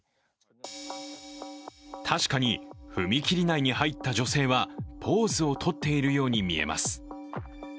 確かに踏切内に入った女性はポーズをとっているように見えます。